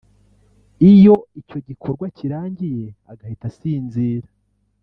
iyo icyo gikorwa kirangiye agahita asinzira